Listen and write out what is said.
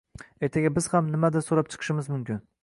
Ertaga biz ham nimadir so‘rab chiqishimiz mumkin